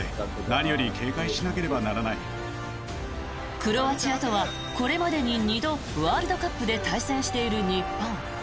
クロアチアとはこれまでに２度ワールドカップで対戦している日本。